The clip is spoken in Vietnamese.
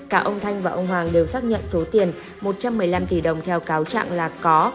cả ông thanh và ông hoàng đều xác nhận số tiền một trăm một mươi năm tỷ đồng theo cáo trạng là có